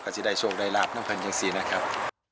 โดยใหญ่โชคไดลามพันธ์แห่งศีลนะครับ